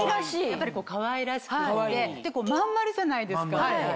やっぱりかわいらしくってまん丸じゃないですか。